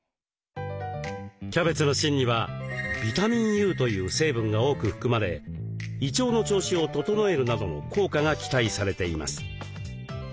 キャベツの芯にはビタミンＵという成分が多く含まれ胃腸の調子を整えるなどの効果が期待されています。